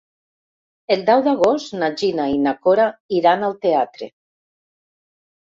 El deu d'agost na Gina i na Cora iran al teatre.